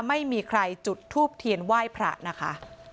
ไม่มีใครจุดทูบเทียนไหว้พระนะคะ